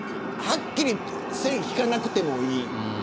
はっきり線引かなくてもいい。